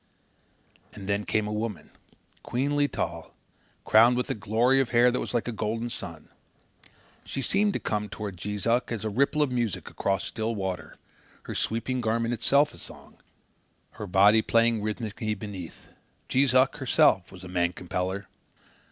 And then came a woman, queenly tall, crowned with a glory of hair that was like a golden sun. She seemed to come toward Jees Uck as a ripple of music across still water; her sweeping garment itself a song, her body playing rhythmically beneath. Jees Uck herself was a man compeller.